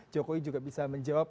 jokowi juga bisa menjawab